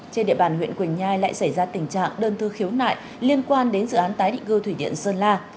trên địa bàn huyện quỳnh nhai lại xảy ra tình trạng đơn thư khiếu nại liên quan đến dự án tái định cư thủy điện sơn la